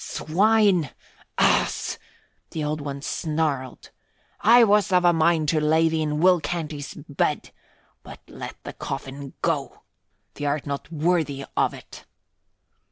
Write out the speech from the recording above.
"Swine! Ass!" the Old One snarled. "I was of a mind to lay thee in Will Canty's bed. But let the coffin go. Th' art not worthy of it."